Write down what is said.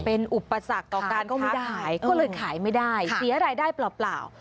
เป็นอุปสรรคต่อการก็ไม่ได้ขายก็เลยขายไม่ได้เสียรายได้เปล่า